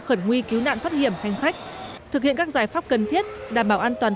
khẩn nguy cứu nạn thoát hiểm hành khách thực hiện các giải pháp cần thiết đảm bảo an toàn